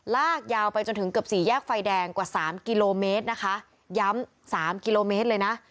ลากยาวไปจนถึงเกือบสี่แยกไฟแดงกว่าสามกิโลเมตรนะคะย้ำสามกิโลเมตรเลยนะ